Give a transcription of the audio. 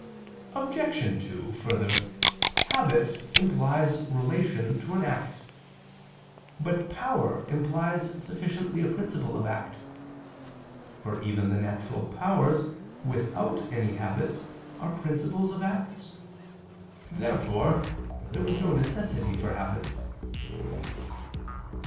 Obj. 2: Further, habit implies relation to an act. But power implies sufficiently a principle of act: for even the natural powers, without any habits, are principles of acts. Therefore there was no necessity for habits.